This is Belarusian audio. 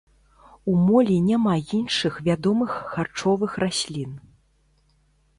У молі няма іншых вядомых харчовых раслін.